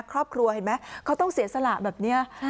ครอบครัวเห็นไหมเขาต้องเสียสละแบบนี้